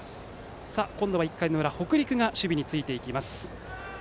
今度は１回の裏北陸が守備につきます。